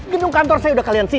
gedung kantor saya udah kalian siap